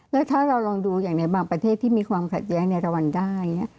แล้วถ้าเราลองดูอย่างในบางประเทศที่มีความขัดแย้งในตะวันได้